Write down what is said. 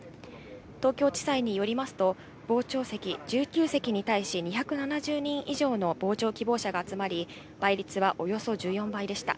東京地裁によりますと、傍聴席１９席に対し、２７０人以上の傍聴希望者が集まり、倍率はおよそ１４倍でした。